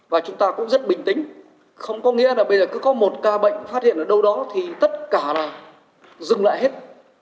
và chúng ta cũng rất bình tĩnh không có nghĩa là bây giờ cứ có một ca bệnh phát hiện ở đâu đó thì tất cả là dừng lại hết